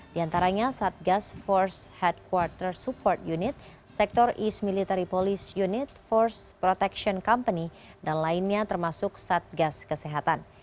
di antaranya satgas force headquarter support unit sektor east military police unit force protection company dan lainnya termasuk satgas kesehatan